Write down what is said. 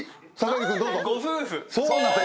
そうなんです。